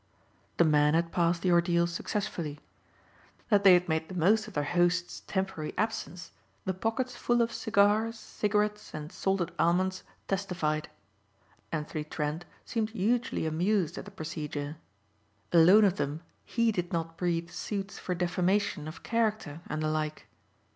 The men had passed the ordeal successfully. That they had made the most of their host's temporary absence the pockets full of cigars, cigarettes and salted almonds testified. Anthony Trent seemed hugely amused at the procedure. Alone of them he did not breathe suits for defamation of character and the like.